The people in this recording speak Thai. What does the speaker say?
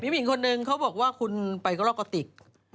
มีผู้หญิงคนหนึ่งเขาบอกว่าคุณไปก็รอกอติก